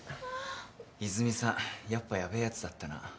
泉さんやっぱヤベえやつだったな。